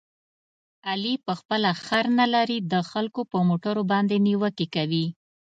علي په خپله خر نه لري، د خلکو په موټرو باندې نیوکې کوي.